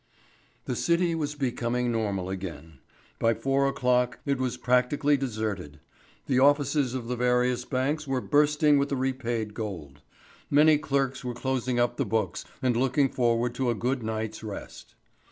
The City was becoming normal again. By four o'clock it was practically deserted. The offices of the various banks were bursting with the repaid gold. Many clerks were closing up the books and looking forward to a good night's rest.